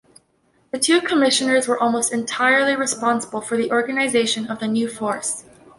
The two Commissioners were almost entirely responsible for the organisation of the new force.